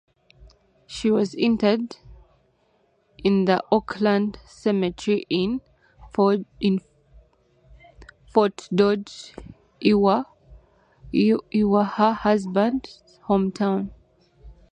She was interred in the Oakland Cemetery in Fort Dodge, Iowa, her husband's hometown.